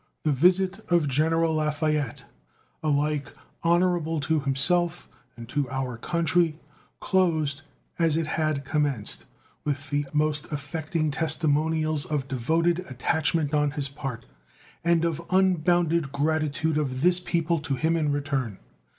The visit of General Lafayette, alike honorable to himself and to our country, closed, as it had commenced, with the most affecting testimonials of devoted attachment on his part, and of unbounded gratitude of this people to him in return.